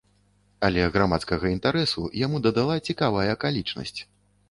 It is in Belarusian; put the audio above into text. Але грамадскага інтарэсу яму дадала цікавая акалічнасць.